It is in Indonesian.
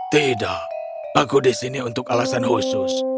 tidak aku di sini untuk alasan khusus